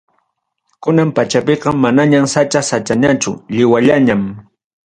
Kunan pachapiqa manañam sacha-sachañachu, lliwallañam.